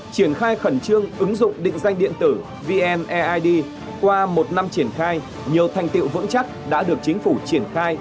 triển khai khẩn trương ứng dụng định danh điện tử vneid qua một năm triển khai nhiều thành tiệu vững chắc đã được chính phủ triển khai